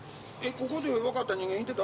ここで分かった人間いてた？